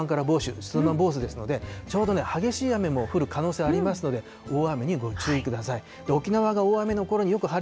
沖縄は小満からぼうしゅう、すーまんぼーすーですので、ちょうど激しい雨も降る可能性ありますので、大雨にご注意ください。